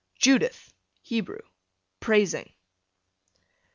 Judith, Hebrew, praising.